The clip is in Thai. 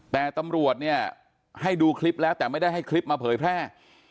แต่ตำรวจเนี่ยให้ดูคลิปแล้วแต่ไม่ได้ให้คลิปมาเผยแพร่